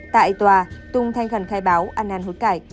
tại tòa tùng thanh khẩn khai báo an nàn hút cải